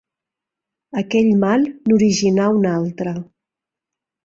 Aquell mal n'originà un altre.